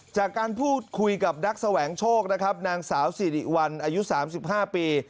จากการพูดคุยกับนักแสวงโชคนะครับนางสาวสิริวัลอายุ๓๕ปี